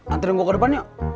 antri gue ke depan yuk